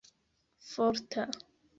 forta